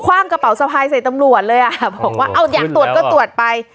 ว่างกระเป๋าสะพายใส่ตำรวจเลยอ่ะบอกว่าเอาอยากตรวจก็ตรวจไป